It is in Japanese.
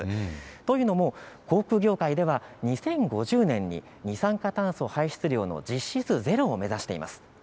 というのも航空業界では２０５０年に二酸化炭素排出量の実質ゼロを目指しています。